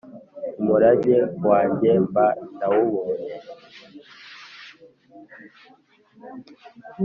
umurage wange mba ndawubonye.